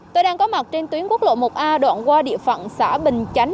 tôi đang có mặt trên tuyến quốc lộ một a đoạn qua địa phận xã bình chánh